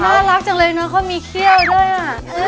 น่ารักจังเลยเนอะเขามีเขี้ยวด้วยอ่ะ